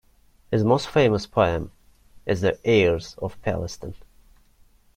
His most famous poem is "The Airs of Palestine".